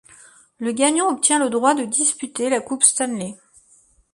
Le gagnant obtient le droit de disputer la Coupe Stanley.